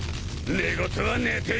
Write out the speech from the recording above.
寝言は寝て言え！